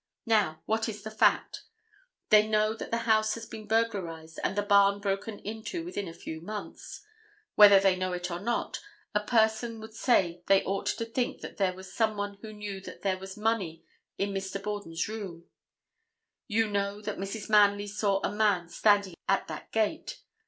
Now, what is the fact? They know that the house has been burglarized and the barn broken into within a few months. Whether they know it or not, a person would say they ought to think that there was someone who knew that there was money in Mr. Borden's room. You know that Mrs. Manley saw a man standing at that gate.